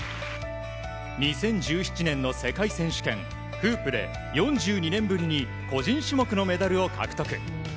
２０１７年の世界選手権フープで４２年ぶりに個人種目のメダルを獲得。